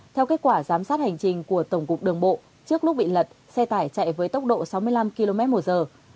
theo kết quả giám sát hành trình của tổng cục đường bộ trước lúc bị lật xe tải chạy với tốc độ sáu mươi năm km một giờ